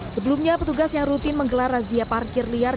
sebelumnya petugas yang rutin menggelar razia parkir liar